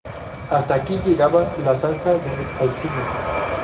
Hasta aquí llegaba la Zanja de Alsina.